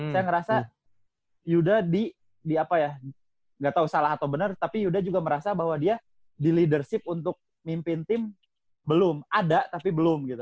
saya ngerasa yuda gak tahu salah atau benar tapi yuda juga merasa bahwa dia di leadership untuk mimpin tim belum ada tapi belum gitu